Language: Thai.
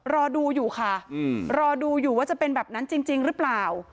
รอดูอยู่ค่ะรอดูอยู่ว่าจะเป็นแบบนั้นจริงหรือเปล่า